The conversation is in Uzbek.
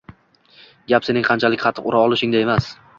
Gap sening qanchalik qattiq ura olishingda emas.